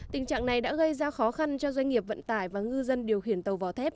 tình trạng này đã gây ra khó khăn cho doanh nghiệp vận tải và ngư dân điều khiển tàu vỏ thép